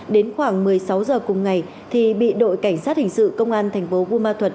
đến khoảng một mươi sáu giờ cùng ngày bị đội cảnh sát hình sự công an tp buôn ma thuật